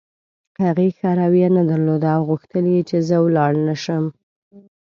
هغې ښه رویه نه درلوده او غوښتل یې چې زه ولاړ نه شم.